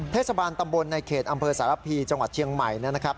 เทศบาลตำบลในเขตอำเภอสารพีจังหวัดเชียงใหม่นะครับ